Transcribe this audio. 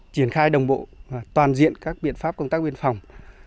triển khai đồng bộ toàn diện các biện pháp công tác biên phòng